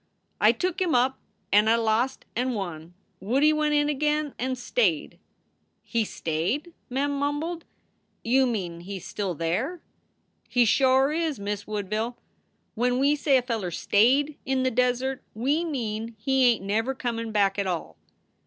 I took him up, and I lost and won. Woodie went in again and stayed." "He stayed?" Mem mumbled. "You mean he s still there?" "He shore is, Miz Woodville! When we say a feller stayed in the desert we mean he ain t never comin back at tall.